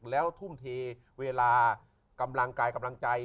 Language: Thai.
แล้วทุ่มเทเวลากำลังกายกำลังใจ